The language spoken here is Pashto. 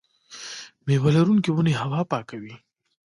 میوه لرونکې ونې هوا پاکوي.